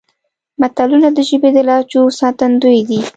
متلونه د ژبې د لهجو ساتندوی دي